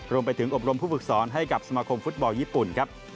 รวมไปถึงอบรมผู้ฝึกศรให้กับสมาคมฟุตบอลญี่ปุ่น